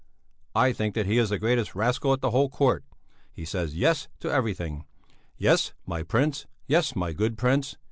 "I think that he is the greatest rascal at the whole court; he says Yes to everything: 'Yes, my prince; yes, my good prince.'